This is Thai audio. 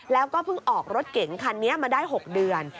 แล้วก็เพิ่งออกรถเก๋งคันนี้มาได้๖เดือน